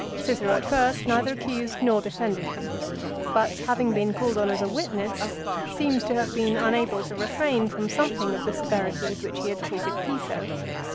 Cicero at first neither accused nor defended him, but, having been called on as a witness, seems to have been unable to refrain from some thing of the severity with which he had treated Piso.